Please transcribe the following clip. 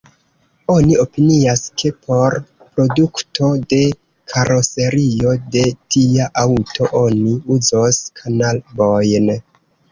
Oni opinias, ke por produkto de karoserio de tia aŭto oni uzos kanabojn.